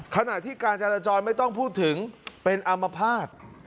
ขณะที่การจราจรไม่ต้องพูดถึงเป็นอามภาษณ์